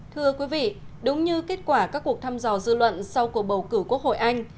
thưa quý vị đúng như kết quả các cuộc thăm dò dư luận sau cuộc bầu cử quốc hội anh